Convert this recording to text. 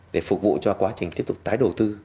để phục vụ cho quá trình tiếp tục tái đầu tư